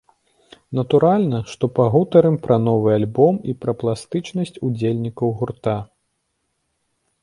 Натуральна, што пагутарым пра новы альбом і пра пластычнасць удзельнікаў гурта.